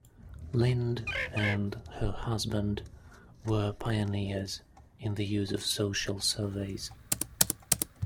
Lynd and her husband were pioneers in the use of social surveys.